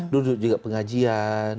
duduk juga pengajian